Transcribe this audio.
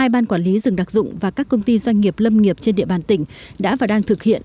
hai ban quản lý rừng đặc dụng và các công ty doanh nghiệp lâm nghiệp trên địa bàn tỉnh đã và đang thực hiện